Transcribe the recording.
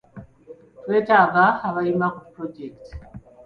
Twetaaga abayima ku pulojekiti.